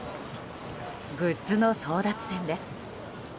グッズの争奪戦です。